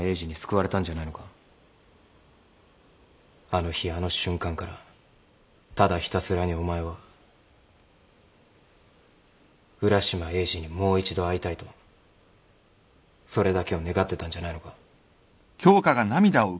あの日あの瞬間からただひたすらにお前は浦島エイジにもう一度会いたいとそれだけを願ってたんじゃないのか？